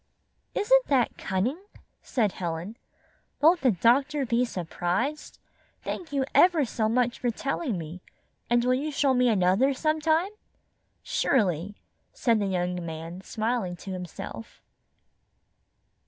"Isn't that cunning?" said Helen. "Won't the doctor be surprised? Thank you ever so much for telling me, and will you show me another sometime?" "Surely," said the young man, smiling to himself.